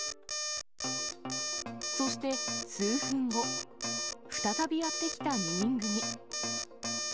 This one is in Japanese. そして数分後、再びやって来た２人組。